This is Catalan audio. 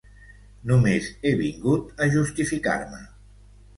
Només he vingut a justificar-me.